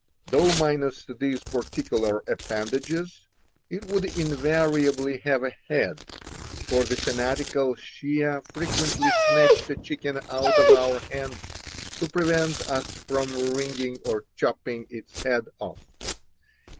Though minus these particular appendages, it would invariably have a head; for the fanatical Shiah frequently snatched a chicken out of our hands to prevent us from wringing or chopping its head off.